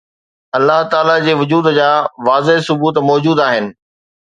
الله تعاليٰ جي وجود جا واضح ثبوت موجود آهن